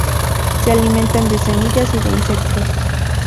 Se alimentan de semillas y de insectos.